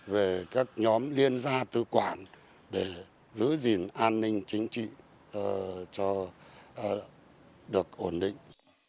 về các nhóm liên gia tư quản để giữ gìn an ninh chính trị cho được ổn định